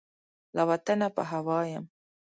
له وطنه په هوا یم